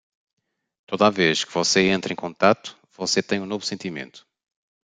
Toda vez que você entra em contato, você tem um novo sentimento.